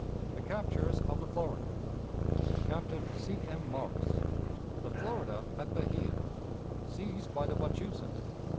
The Captures of the Florida. Captain C. M. Morris. The Florida at Bahia. Seized by the Wachusett.